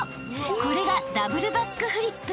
これがダブルバックフリップ］